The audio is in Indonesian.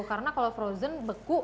karena kalau frozen beku